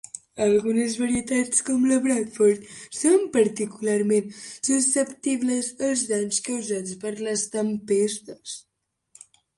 Algunes varietats, com la Bradford, són particularment susceptibles als danys causats per les tempestes.